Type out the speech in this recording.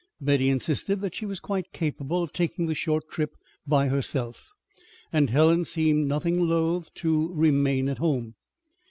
Betty insisted that she was quite capable of taking the short trip by herself and Helen seemed nothing loath to remain at home.